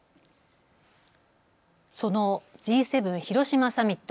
そのＧ７広島サミット。